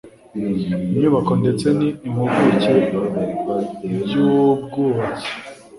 inyubako ndetse n impuguke by ubwubatsi